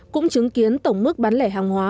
cũng chứng kiến tổng mức bán lẻ hàng hóa